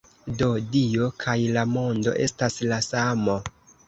Do, Dio kaj la mondo estas la samo.